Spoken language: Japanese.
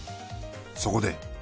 そこで。